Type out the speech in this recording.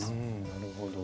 なるほど。